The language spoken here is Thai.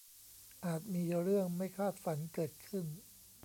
อาจมีเรื่องไม่คาดฝันเกิดขึ้น